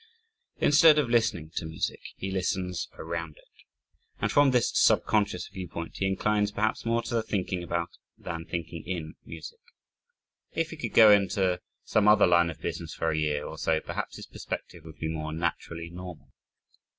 Instead of listening to music, he listens around it. And from this subconscious viewpoint, he inclines perhaps more to the thinking about than thinking in music. If he could go into some other line of business for a year or so perhaps his perspective would be more naturally normal.